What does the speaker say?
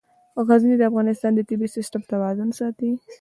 غزني د افغانستان د طبعي سیسټم توازن ساتي.